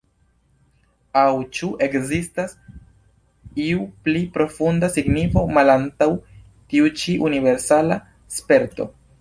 Aŭ ĉu ekzistas iu pli profunda signifo malantaŭ tiu ĉi universala sperto?